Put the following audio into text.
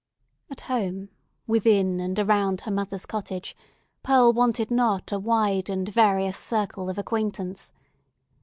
At home, within and around her mother's cottage, Pearl wanted not a wide and various circle of acquaintance.